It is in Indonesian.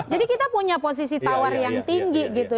jadi kita punya posisi tawar yang tinggi gitu